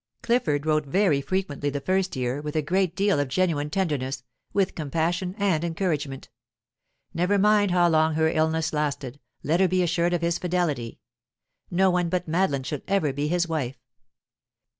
Clifford wrote very frequently for the first year, with a great deal of genuine tenderness, with compassion and encouragement. Never mind how long her illness lasted, let her be assured of his fidelity; no one but Madeline should ever be his wife.